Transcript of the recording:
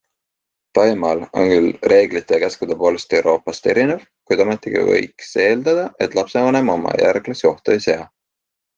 Taimaal on küll reeglite ja käskude poolest Euroopast erinev, kuid ometigi võiks eeldada, et lapsevanem oma järglasi ohtu ei sea.